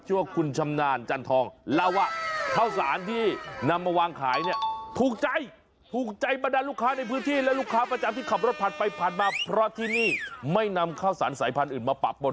ไม่นำข้าวสารสายพันธุ์อื่นมาปรับบนแน่นอน